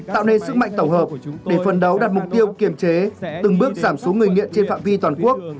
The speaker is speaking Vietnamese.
tạo nên sức mạnh tổ hợp để phần đấu đặt mục tiêu kiểm chế từng bước giảm số người nghiện trên phạm vi toàn quốc